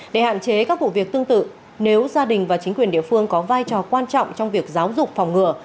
để hạn chế các vụ việc tương tự nếu gia đình và chính quyền địa phương có vai trò quan trọng trong việc giáo dục phòng ngừa